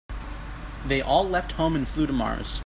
They all left home and flew to Mars.